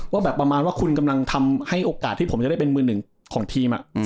ว่าแบบประมาณว่าคุณกำลังทำให้โอกาสที่ผมจะได้เป็นมือหนึ่งของทีม